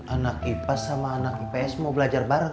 anak ipas sama anak ipas mau belajar bareng